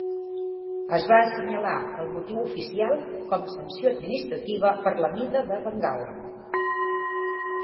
Es va assenyalar el motiu oficial com a sanció administrativa per la mida de Bengala.